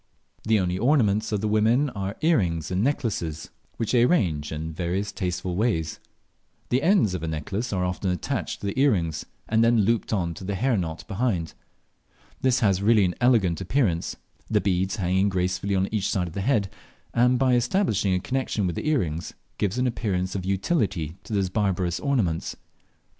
The only ornaments of the women are earrings and necklaces, which they arrange in various tasteful ways. The ends of a necklace are often attached to the earrings, and then looped on to the hair knot behind. This has really an elegant appearance, the beads hanging gracefully on each side of the head, and by establishing a connexion with the earrings give an appearance of utility to those barbarous ornaments.